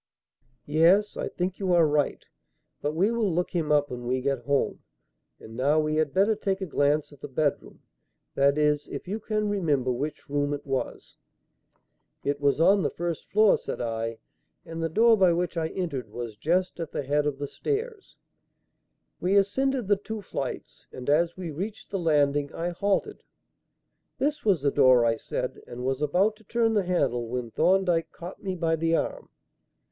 "Yes, I think you are right; but we will look him up when we get home. And now we had better take a glance at the bedroom; that is, if you can remember which room it was." "It was on the first floor," said I, "and the door by which I entered was just at the head of the stairs." We ascended the two flights, and, as we reached the landing, I halted. "This was the door," I said, and was about to turn the handle when Thorndyke caught me by the arm.